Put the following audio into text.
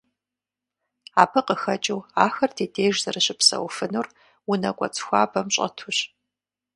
Абы къыхэкӏыу ахэр ди деж зэрыщыпсэуфынур унэ кӏуэцӏ хуабэм щӏэтущ.